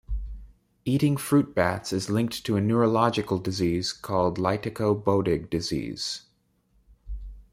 Eating fruit bats is linked to a neurological disease called lytico-bodig disease.